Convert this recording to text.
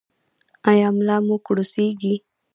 ایا ملا مو کړوسیږي؟